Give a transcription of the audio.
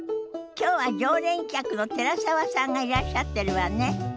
きょうは常連客の寺澤さんがいらっしゃってるわね。